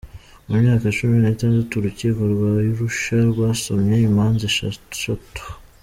Mu myaka cumi nitandatu Urukiko rwa Arusha rwasomye imanza esheshatu